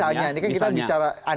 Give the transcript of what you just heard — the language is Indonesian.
misalnya ini kan kita bisa anda anda